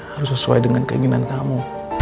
harus sesuai dengan keinginan kamu